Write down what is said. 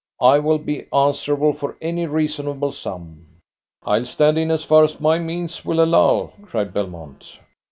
I will be answerable for any reasonable sum." "I'll stand in as far as my means will allow," cried Belmont.